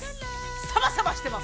サバサバしてます！